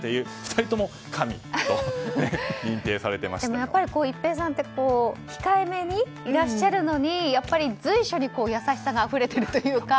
２人とも神に一平さんって控えめにいらっしゃるのに随所に優しさがあふれているというか。